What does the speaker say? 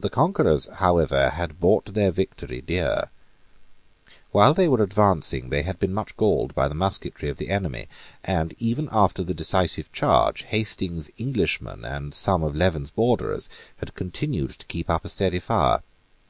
The conquerors however had bought their victory dear. While they were advancing, they had been much galled by the musketry of the enemy; and, even after the decisive charge, Hastings's Englishmen and some of Leven's borderers had continued to keep up a steady fire.